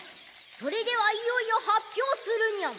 それではいよいよ発表するニャン。